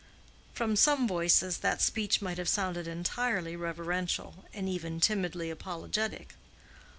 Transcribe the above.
From some voices that speech might have sounded entirely reverential, and even timidly apologetic.